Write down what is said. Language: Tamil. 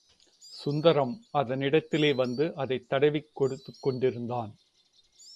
சுந்தரம் அதனிடத்திலே வந்து அதைத் தடவிக் கொடுத்துக்கொண்டிருந்தான்.